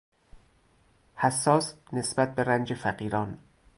حساس نسبت به رنج فقیران